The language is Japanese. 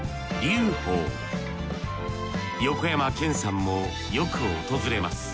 横山剣さんもよく訪れます。